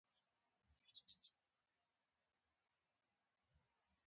یو سل او یو دیرشمه پوښتنه د سمینار په اړه ده.